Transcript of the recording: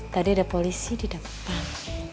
tadi ada polisi di depan